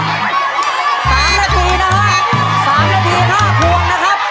๓นาที๕พวงนะครับ